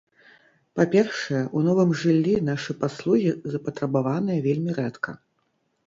Па-першае, у новым жыллі нашы паслугі запатрабаваныя вельмі рэдка.